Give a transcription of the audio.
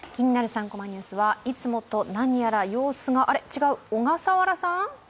３コマニュース」は、いつもと何やら様子があれ、違う、小笠原さん。